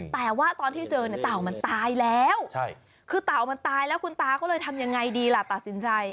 แต่ว่าตอนที่เจอเนี่ยเต่ามันตายแล้วคือเต่ามันตายแล้วคุณตาก็เลยทำยังไงดีล่ะตัดสินใจ